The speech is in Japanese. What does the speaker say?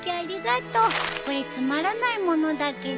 これつまらないものだけど。